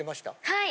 はい！